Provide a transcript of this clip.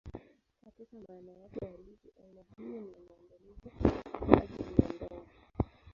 Katika maana yake halisi, aina hiyo ni ya maandalizi kwa ajili ya ndoa.